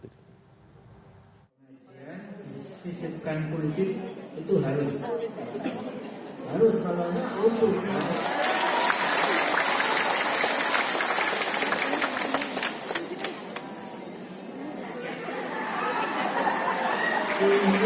itu harus harus kalau mau wujud